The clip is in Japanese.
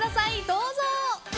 どうぞ。